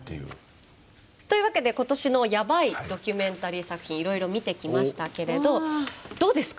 というわけで今年のヤバいドキュメンタリー作品いろいろ見てきましたけれどどうですか？